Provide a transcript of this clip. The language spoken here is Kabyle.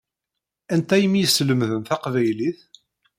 Anta i m-yeslemden taqbaylit?